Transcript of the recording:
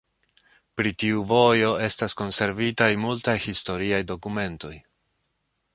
Pri tiu vojo estas konservitaj multaj historiaj dokumentoj.